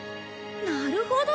なるほど！